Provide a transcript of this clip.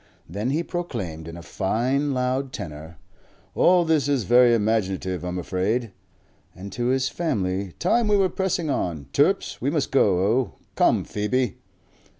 Then he proclaimed in a fine loud tenor, "All this is very imaginative, I'm afraid." And to his family, "Time we were pressing on. Turps, we must go o. Come, Phoebe!"